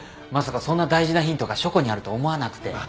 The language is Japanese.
まさかそんな大事なヒントが書庫にあると思わなくて。